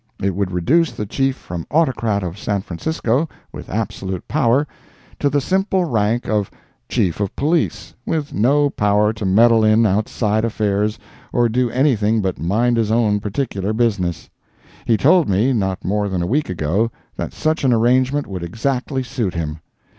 It would reduce the Chief from autocrat of San Francisco, with absolute power, to the simple rank of Chief of Police with no power to meddle in outside affairs or do anything but mind his own particular business. He told me, not more than a week ago, that such an arrangement would exactly suit him.